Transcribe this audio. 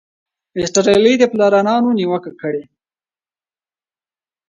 ایسټرلي د پلانرانو نیوکه کړې.